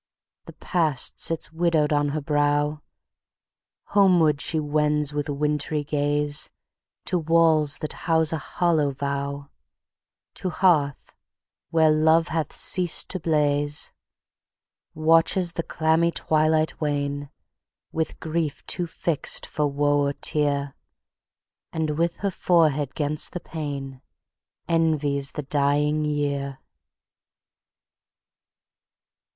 The past sits widow'd on her brow, Homeward she wends with wintry gaze, To walls that house a hollow vow, To hearth where love hath ceas'd to blaze:Watches the clammy twilight wane, With grief too fix'd for woe or tear; And, with her forehead 'gainst the pane, Envies the dying year.